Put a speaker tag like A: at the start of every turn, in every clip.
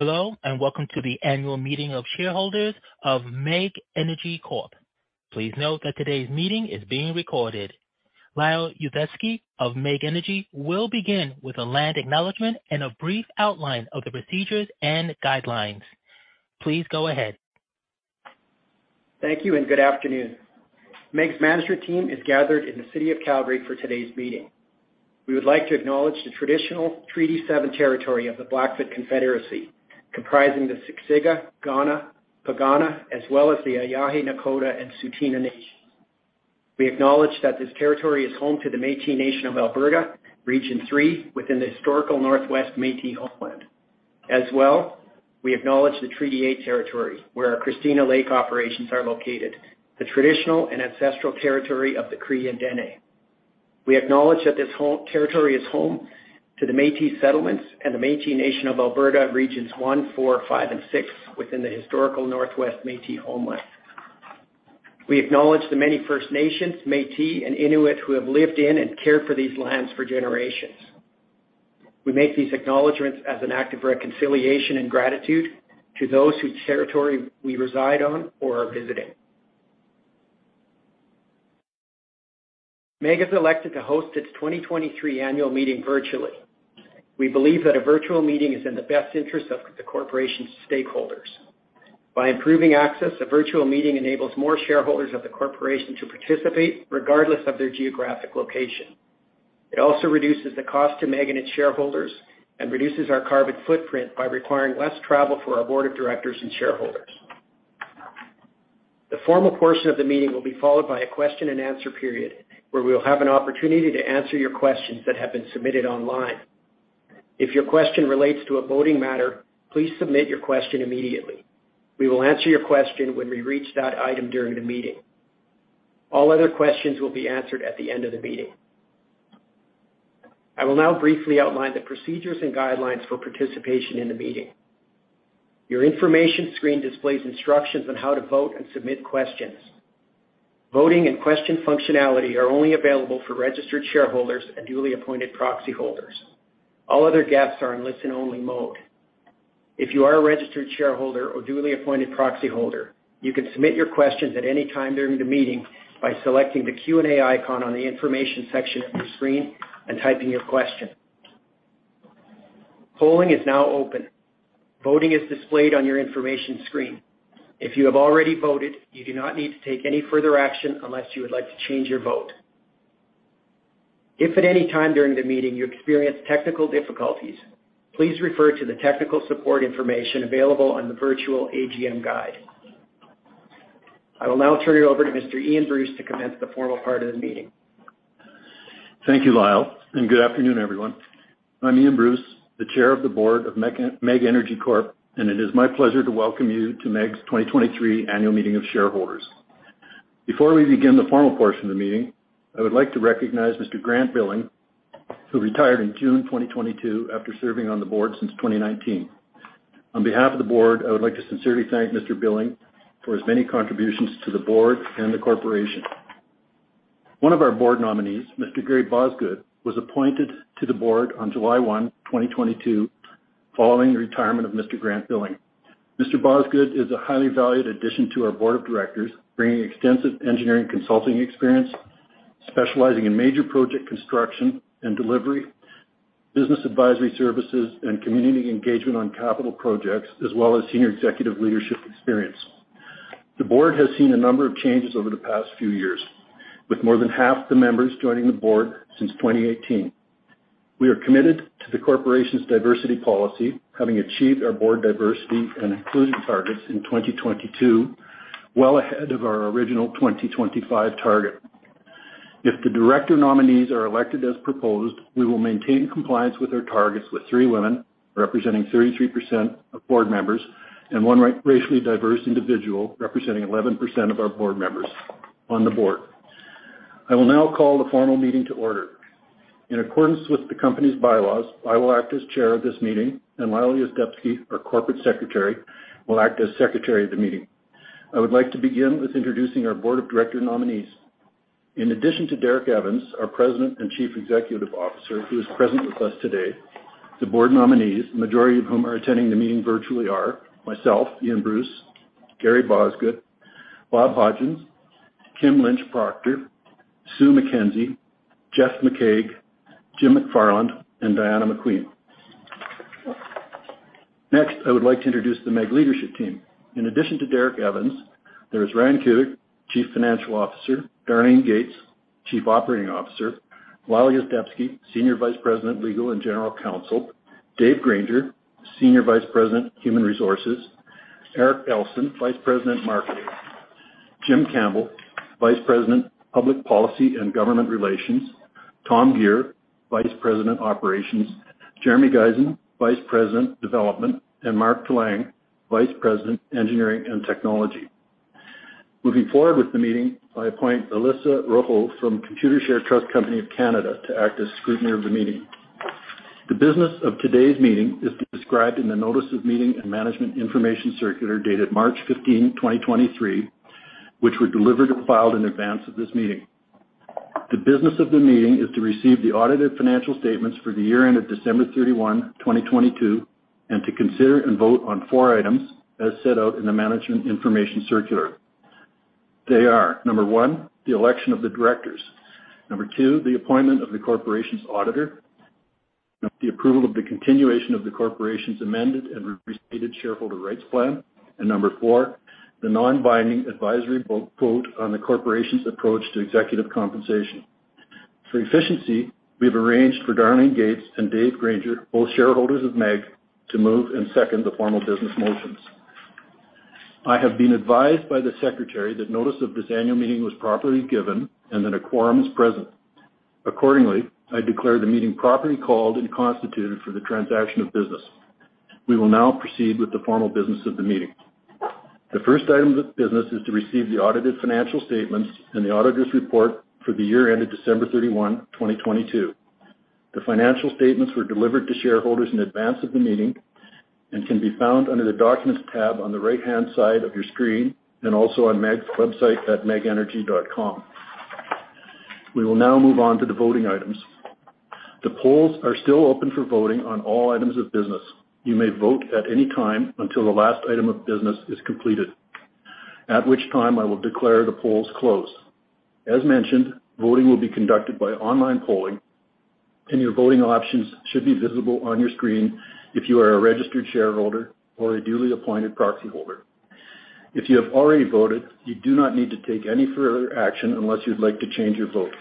A: Hello, welcome to the Annual Meeting of Shareholders of MEG Energy Corp. Please note that today's meeting is being recorded. Mr. Lyle Yuzdepski of MEG Energy will begin with a land acknowledgment and a brief outline of the procedures and guidelines. Please go ahead.
B: Thank you and good afternoon. MEG's management team is gathered in the city of Calgary for today's meeting. We would like to acknowledge the traditional Treaty 7 territory of the Blackfoot Confederacy, comprising the Siksika, Kainai, Piikani, as well as the Îyârhe Nakoda and Tsuut'ina Nations. We acknowledge that this territory is home to the Métis Nation of Alberta, Region 3, within the historical Northwest Métis homeland. We acknowledge the Treaty 8 territory where our Christina Lake operations are located, the traditional and ancestral territory of the Cree and Dene. We acknowledge that this territory is home to the Métis Settlements and the Métis Nation of Alberta, Regions 1, 4, 5, and 6, within the historical Northwest Métis homeland. We acknowledge the many First Nations, Métis, and Inuit who have lived in and cared for these lands for generations. We make these acknowledgments as an act of reconciliation and gratitude to those whose territory we reside on or are visiting. MEG has elected to host its 2023 Annual Meeting virtually. We believe that a virtual meeting is in the best interest of the corporation's stakeholders. By improving access, a virtual meeting enables more shareholders of the corporation to participate regardless of their geographic location. It also reduces the cost to MEG and its shareholders and reduces our carbon footprint by requiring less travel for our Board of Directors and shareholders. The formal portion of the meeting will be followed by a question-and-answer period, where we will have an opportunity to answer your questions that have been submitted online. If your question relates to a voting matter, please submit your question immediately. We will answer your question when we reach that item during the meeting. All other questions will be answered at the end of the meeting. I will now briefly outline the procedures and guidelines for participation in the meeting. Your information screen displays instructions on how to vote and submit questions. Voting and question functionality are only available for registered shareholders and duly appointed proxyholders. All other guests are in listen-only mode. If you are a registered shareholder or duly appointed proxyholder, you can submit your questions at any time during the meeting by selecting the Q&A icon on the information section of your screen and typing your question. Polling is now open. Voting is displayed on your information screen. If you have already voted, you do not need to take any further action unless you would like to change your vote. If at any time during the meeting you experience technical difficulties, please refer to the technical support information available on the Virtual AGM guide. I will now turn it over to Mr. Ian Bruce to commence the formal part of the meeting.
C: Thank you, Lyle. Good afternoon, everyone. I'm Ian Bruce, the Chair of the Board of MEG Energy Corp. It is my pleasure to welcome you to MEG's 2023 Annual Meeting of Shareholders. Before we begin the formal portion of the meeting, I would like to recognize Mr. Grant Billing, who retired in June 2022 after serving on the Board of Directors since 2019. On behalf of the Board, I would like to sincerely thank Mr. Billing for his many contributions to the Board and the corporation. One of our Board nominees, Mr. Gary Bosgoed, was appointed to the Board on July 1, 2022, following the retirement of Mr. Grant Billing. Gary Bosgoed is a highly valued addition to our Board of Directors, bringing extensive engineering consulting experience, specializing in major project construction and delivery, business advisory services, and community engagement on capital projects, as well as senior executive leadership experience. The Board has seen a number of changes over the past few years, with more than half the members joining the Board since 2018. We are committed to the corporation's Diversity and Inclusion Policy, having achieved our Board diversity and inclusion targets in 2022, well ahead of our original 2025 target. If the director nominees are elected as proposed, we will maintain compliance with our targets, with three women representing 33% of Board members and one racially diverse individual representing 11% of our Board members on the Board. I will now call the formal meeting to order. In accordance with the Company's Bylaws, I will act as Chair of this meeting, and Lyle Yuzdepski, our Corporate Secretary, will act as Secretary of the meeting. I would like to begin with introducing our Board of director nominees. In addition to Derek Evans, our President and Chief Executive Officer, who is present with us today, the Board nominees, the majority of whom are attending the meeting virtually are myself, Ian Bruce, Gary Bosgoed, Bob Hodgins, Kim Lynch Proctor, Sue MacKenzie, Jeff McKaig, Jim McFarland, and Diana McQueen. Next, I would like to introduce the MEG leadership team. In addition to Derek Evans, there is Ryan Kubik, Chief Financial Officer. Darlene Gates, Chief Operating Officer. Lyle Yuzdepski, Senior Vice President, Legal and General Counsel. Dave Granger, Senior Vice President, Human Resources. Erik Alson, Vice President, Marketing. Jim Campbell, Vice President, Public Policy and Government Relations. Tom Gear, Vice President, Operations. Jeremy Gizen, Vice President, Development, and Mark Dylang, Vice President, Engineering and Technology. Moving forward with the meeting, I appoint Alyssa Roco from Computershare Trust Company of Canada to act as scrutineer of the meeting. The business of today's meeting is described in the Notice of Meeting and Management Information Circular dated March 15, 2023, which were delivered and filed in advance of this meeting. The business of the meeting is to receive the audited financial statements for the year ended December 31, 2022, and to consider and vote on four items as set out in the Management Information Circular. They are, number one, the election of the directors. Number two, the appointment of the corporation's auditor. The approval of the continuation of the corporation's amended and restated shareholder rights plan. And number four, the non-binding advisory vote on the corporation's approach to executive compensation. For efficiency, we have arranged for Darlene Gates and Dave Granger, both shareholders of MEG, to move and second the formal business motions. I have been advised by the secretary that notice of this Annual meeting was properly given and that a quorum is present. Accordingly, I declare the meeting properly called and constituted for the transaction of business. We will now proceed with the formal business of the meeting. The first item of business is to receive the audited financial statements and the Auditor's Report for the year ended December 31, 2022. The financial statements were delivered to shareholders in advance of the meeting and can be found under the Documents tab on the right-hand side of your screen and also on MEG's website at megenergy.com. We will now move on to the voting items. The polls are still open for voting on all items of business. You may vote at any time until the last item of business is completed, at which time I will declare the polls closed. As mentioned, voting will be conducted by online polling, and your voting options should be visible on your screen if you are a registered shareholder or a duly appointed proxyholder. If you have already voted, you do not need to take any further action unless you'd like to change your vote.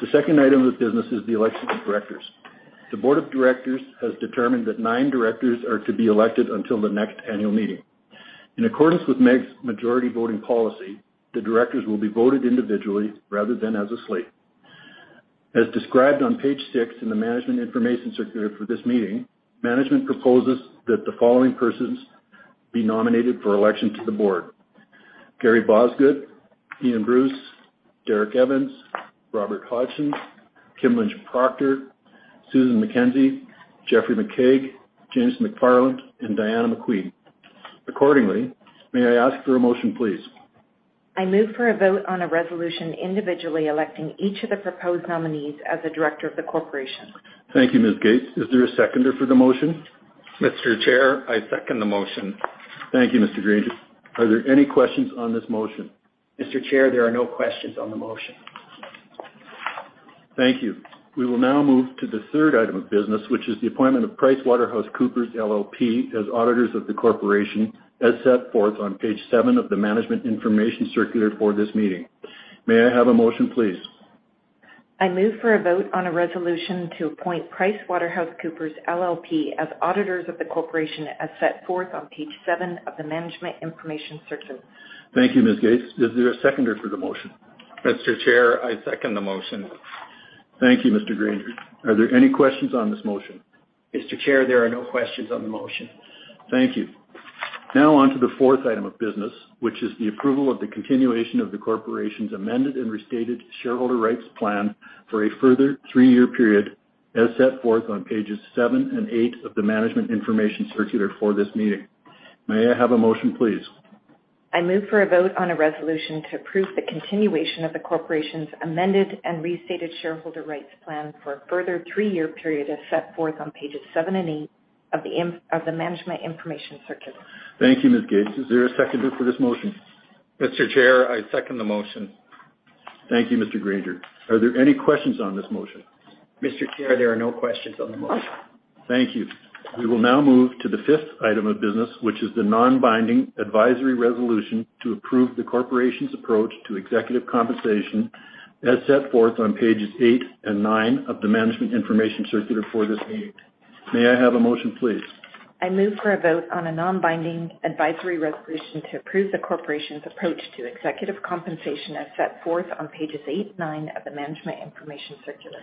C: The second item of business is the election of directors. The Board of Directors has determined that nine directors are to be elected until the next Annual Meeting of Shareholders. In accordance with MEG's Majority Voting Policy, the directors will be voted individually rather than as a slate. As described on page 6 in the Management Information Circular for this meeting, management proposes that the following persons be nominated for election to the Board of Directors: Gary Bosgoed, Ian Bruce, Derek Evans, Robert Hodgins, Kim Lynch Proctor, Susan MacKenzie, Jeffrey McKaig, James McFarland, and Diana McQueen. Accordingly, may I ask for a motion, please?
D: I move for a vote on a resolution individually electing each of the proposed nominees as a director of the Corporation.
E: Thank you, Ms. Gates. Is there a seconder for the motion? Mr. Chair, I second the motion. Thank you, Mr. Granger. Are there any questions on this motion?
B: Mr. Chair, there are no questions on the motion.
C: Thank you. We will now move to the third item of business, which is the appointment of PricewaterhouseCoopers LLP as Auditor of the Corporation, as set forth on page 7 of the Management Information Circular for this meeting. May I have a motion, please?
D: I move for a vote on a resolution to appoint PricewaterhouseCoopers LLP as auditors of the corporation, as set forth on page 7 of the Management Information Circular.
E: Thank you, Ms. Gates. Is there a seconder for the motion? Mr. Chair, I second the motion. Thank you, Mr. Granger. Are there any questions on this motion?
B: Mr. Chair, there are no questions on the motion.
C: Thank you. Now on to the fourth item of business, which is the approval of the continuation of the corporation's amended and restated shareholder rights plan for a further three-year period, as set forth on pages seven and eight of the Management Information Circular for this meeting. May I have a motion, please?
D: I move for a vote on a resolution to approve the continuation of the Corporation's Amended and Restated Shareholder Rights Plan for a further three-year period as set forth on pages 7 and 8 of the Management Information Circular.
E: Thank you, Ms. Gates. Is there a seconder for this motion? Mr. Chair, I second the motion. Thank you, Mr. Granger. Are there any questions on this motion?
B: Mr. Chair, there are no questions on the motion.
C: Thank you. We will now move to the fifth item of business, which is the non-binding advisory resolution to approve the Corporation's approach to executive compensation, as set forth on pages 8 and 9 of the Management Information Circular for this meeting. May I have a motion, please?
D: I move for a vote on a non-binding advisory resolution to approve the Corporation's approach to executive compensation, as set forth on pages 8, 9 of the Management Information Circular.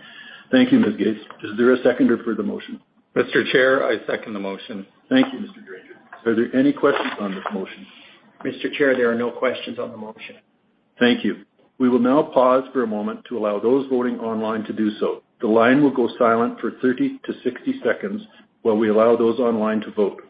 E: Thank you, Ms. Gates. Is there a seconder for the motion? Mr. Chair, I second the motion. Thank you, Mr. Granger. Are there any questions on this motion?
B: Mr. Chair, there are no questions on the motion.
C: Thank you. We will now pause for a moment to allow those voting online to do so. The line will go silent for 30 to 60 seconds while we allow those online to vote.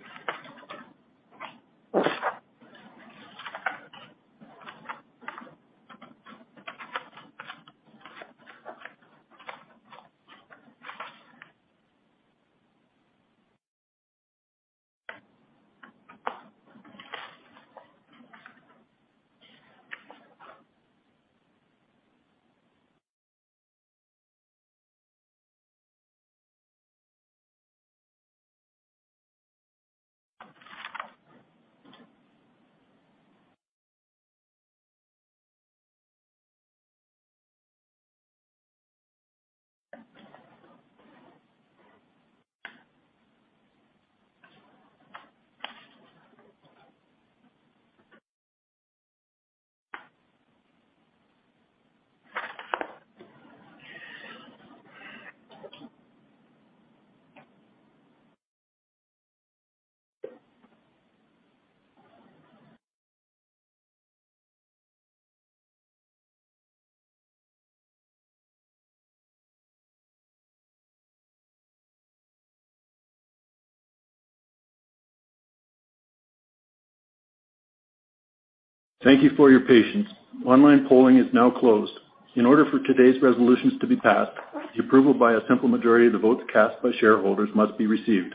C: Thank you for your patience. Online polling is now closed. In order for today's resolutions to be passed, the approval by a simple majority of the votes cast by shareholders must be received.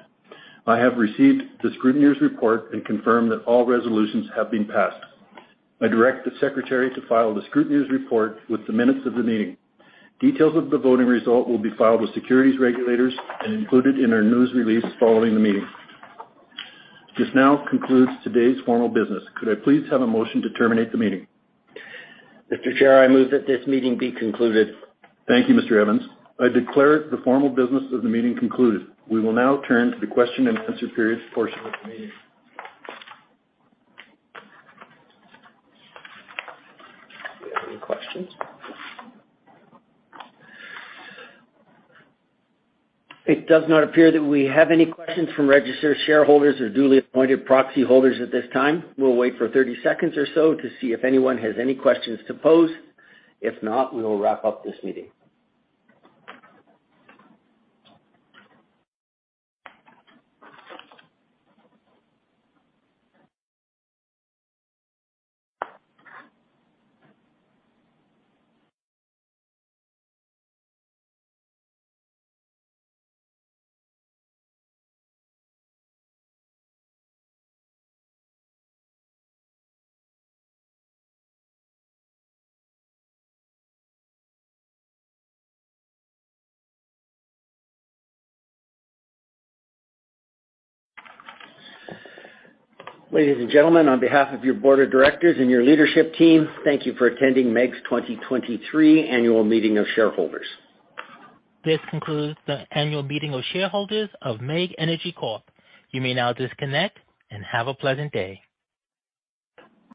C: I have received the scrutineer's report and confirmed that all resolutions have been passed. I direct the Secretary to file the Scrutineer's Report with the minutes of the meeting. Details of the voting result will be filed with securities regulators and included in our news release following the meeting. This now concludes today's formal business. Could I please have a motion to terminate the meeting?
F: Mr. Chair, I move that this meeting be concluded.
C: Thank you, Mr. Evans. I declare the formal business of the meeting concluded. We will now turn to the question-and-answer period portion of the meeting.
F: Do we have any questions? It does not appear that we have any questions from registered shareholders or duly appointed proxy holders at this time. We'll wait for 30 seconds or so to see if anyone has any questions to pose. If not, we will wrap up this meeting. Ladies and gentlemen, on behalf of your Board of Directors and Leadership Team, thank you for attending MEG's 2023 Annual Meeting of Shareholders.
A: This concludes the Annual Meeting of Shareholders of MEG Energy Corp. You may now disconnect and have a pleasant day.